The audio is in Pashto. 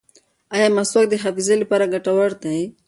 ایا مسواک د حافظې لپاره ګټور دی؟